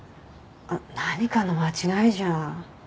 何かの間違いじゃ。